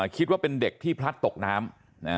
คิดว่าเป็นเด็กที่พลัดตกน้ำ